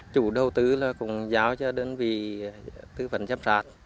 chủ đầu tư cũng giáo cho đơn vị tư vấn giám sát